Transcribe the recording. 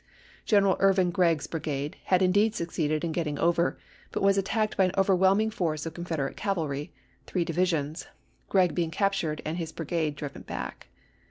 General Irvin Gregg's brigade had indeed succeeded in getting over, but was attacked by an overwhelming force of Confederate cavalry, — three divisions, — Gregg being captured, and his brigade driven back.